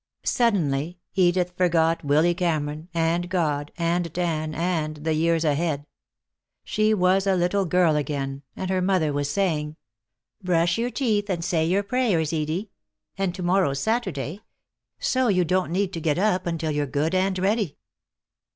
Suddenly Edith forgot Willy Cameron, and God, and Dan, and the years ahead. She was a little girl again, and her mother was saying: "Brush your teeth and say your prayers, Edie. And tomorrow's Saturday. So you don't need to get up until you're good and ready."